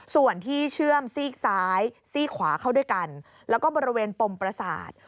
ส่วนที่เชื่อมซีกซ้ายซีกขวาเข้าด้วยกันแล้วก็บริเวณปมประสาท